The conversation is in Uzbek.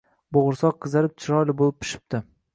Bo’g’irsoq qizarib, chiroyli bo’lib pishibdi